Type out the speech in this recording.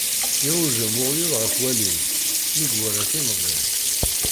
Iɛujjem uɣyul ɣef walim, mi iwala timẓin.